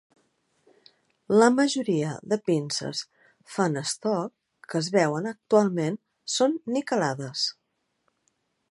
La majoria de pinces Fahnestock que es veuen actualment són niquelades.